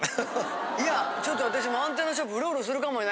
いやちょっと私アンテナショップうろうろするかもね。